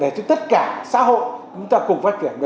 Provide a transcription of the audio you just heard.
để cho tất cả xã hội chúng ta cùng phát triển